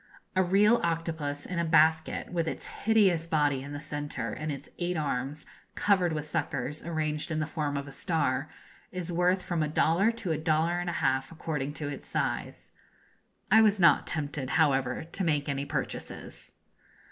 A real octopus, in a basket, with its hideous body in the centre, and its eight arms, covered with suckers, arranged in the form of a star, is worth from a dollar to a dollar and a half, according to its size. I was not tempted, however, to make any purchases.